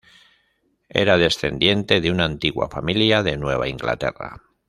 Era descendiente de una antigua familia de Nueva Inglaterra.